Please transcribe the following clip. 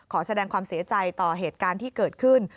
ขอแสดงความเสียใจต่อเหตุการณ์ที่เกิดขึ้น